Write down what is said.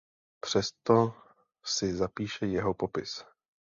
Přesto si zapíše jeho popis.